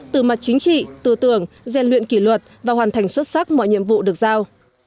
từ mặt chính trị tư tưởng gian luyện kỷ luật và hoàn thành xuất sắc mọi nhiệm vụ được giao